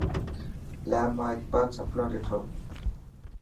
علامه اقبال سپنو ڏٺو.